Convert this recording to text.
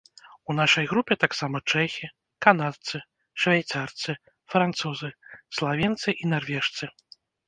У нашай групе таксама чэхі, канадцы, швейцарцы, французы, славенцы і нарвежцы.